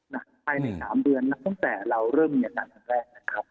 ใน๓เดือนตั้งแต่เราเริ่มมีอาการครั้งแรก